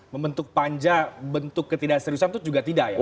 membentuk panja bentuk ketidak seriusan itu juga tidak ya